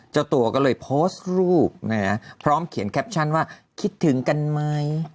เจ้าตัวก็เลยโพสต์รูปนะฮะพร้อมเขียนแคปชั่นว่าคิดถึงกันไหม